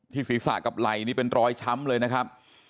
ศีรษะกับไหล่นี่เป็นรอยช้ำเลยนะครับ